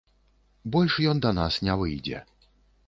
Больш ён да нас не выйдзе.